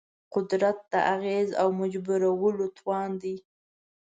قدرت د اغېز او مجبورولو توان دی.